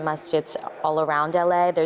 masjid yang berbeda di seluruh la